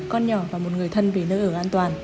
con nhỏ và một người thân về nơi ở an toàn